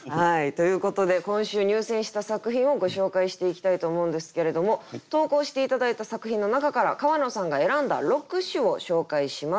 ということで今週入選した作品をご紹介していきたいと思うんですけれども投稿して頂いた作品の中から川野さんが選んだ六首を紹介します。